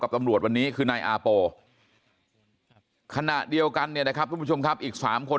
ตำรวจวันนี้คือนายอาโปขณะเดียวกันเนี่ยนะครับทุกผู้ชมครับอีก๓คน